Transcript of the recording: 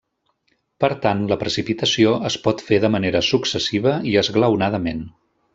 Per tant la precipitació es pot fer de manera successiva i esglaonadament.